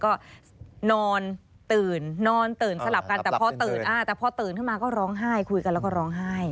ก็นอนตื่นนอนตื่นสลับกันแต่พอตื่นแต่พอตื่นขึ้นมาก็ร้องไห้คุยกันแล้วก็ร้องไห้